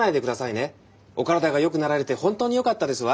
お体が良くなられて本当に良かったですわ。